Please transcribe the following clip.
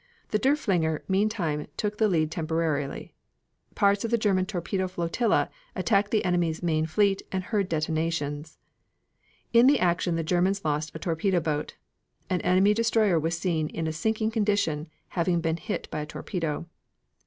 The Derfflinger meantime took the lead temporarily. Parts of the German torpedo flotilla attacked the enemy's main fleet and heard detonations. In the action the Germans lost a torpedo boat. An enemy destroyer was seen in a sinking condition, having been hit by a torpedo.